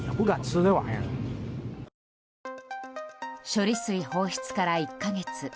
処理水放出から１か月。